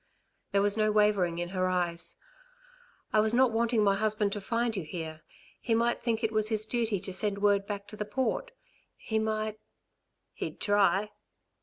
There was no wavering in her eyes. "I was not wanting my husband to find you here. He might think it was his duty to send word back to the Port. He might...." "He'd try."